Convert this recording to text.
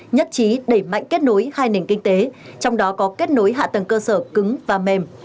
nhất trí đẩy mạnh kết nối hai nền kinh tế trong đó có kết nối hạ tầng cơ sở cứng và mềm